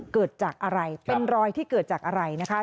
เกิดจากอะไรเป็นรอยที่เกิดจากอะไรนะคะ